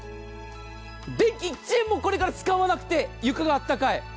電気、１円もこれから使わなくて床が暖かい。